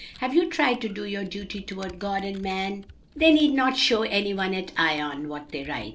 Have you tried to do your duty toward God and man?' "They need not show any one at Ion what they write.